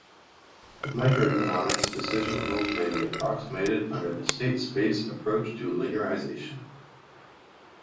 In microeconomics, decision rules may be approximated under the state-space approach to linearization.